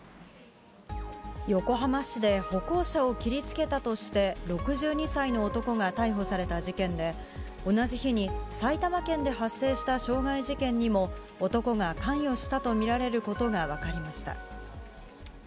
横浜市で歩行者を切りつけたとして、６２歳の男が逮捕された事件で、同じ日に埼玉県で発生した傷害事件にも、男が関与したと見られることが分かりました。